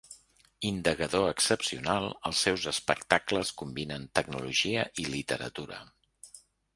Indagador excepcional, els seus espectacles combinen tecnologia i literatura.